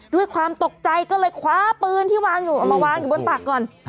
ด้วยความตกใจก็เลยคว้าปืนที่วางอยู่เอามาวางอยู่บนตักก่อน